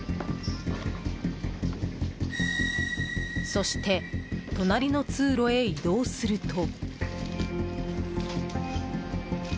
そして、隣の通路へ移動すると。